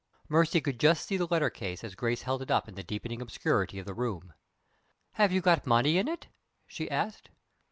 Mercy could just see the letter case as Grace held it up in the deepening obscurity of the room. "Have you got money in it?" she asked.